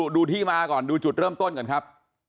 ดูที่มาก่อนดูจุดเริ่มต้นก่อนครับ